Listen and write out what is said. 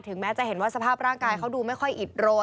แม้จะเห็นว่าสภาพร่างกายเขาดูไม่ค่อยอิดโรย